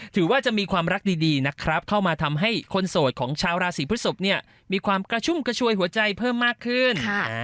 ถือว่าจะมีความรักดีนะครับเข้ามาทำให้คนโสดของชาวราศีพฤศพเนี่ยมีความกระชุ่มกระชวยหัวใจเพิ่มมากขึ้น